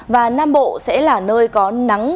và nam bộ sẽ là nơi có nắng